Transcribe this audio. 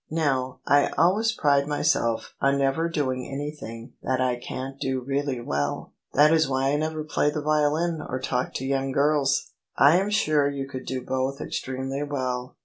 Now, I always pride myself on never doing anything that I can't do really well: that is why I never play the violin or talk to young girls." " I am sure you could do both extremely well."